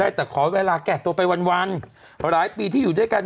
แต่ขอเวลาแก่ตัวไปวันหลายปีที่อยู่ด้วยกัน